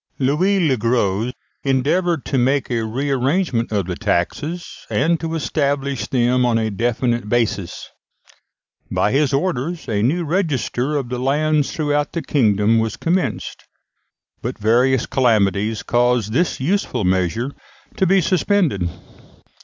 Louis le Gros endeavoured to make a re arrangement of the taxes, and to establish them on a definite basis. By his orders a new register of the lands throughout the kingdom was commenced, but various calamities caused this useful measure to be suspended.